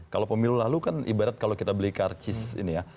kalau pemilu lalu kan ibarat kalau kita beli karcis ini ya